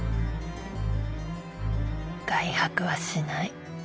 外泊はしない。